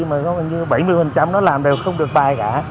mà như bảy mươi nó làm đều không được bài cả